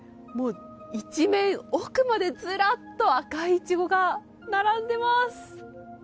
一面、奥までずらっと赤いイチゴが並んでいます！